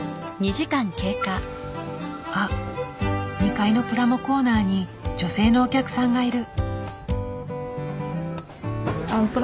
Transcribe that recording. あっ２階のプラモコーナーに女性のお客さんがいる。